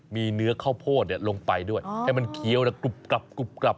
มีเนื้อข้าวโพดลงไปด้วยให้มันเคี้ยวแล้วกรุบกลับกรุบกลับ